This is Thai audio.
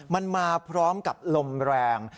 มันมาพร้อมกับลมแรง